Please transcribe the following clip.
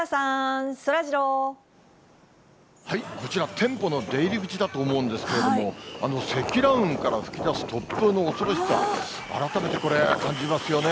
店舗の出入り口だと思うんですけれども、積乱雲から吹き出す突風の恐ろしさ、改めてこれ、感じますよね。